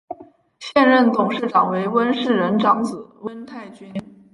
现任董事长为温世仁长子温泰钧。